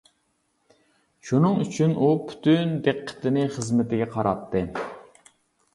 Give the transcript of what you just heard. شۇنىڭ ئۈچۈن ئۇ پۈتۈن دىققىتىنى خىزمىتىگە قاراتتى.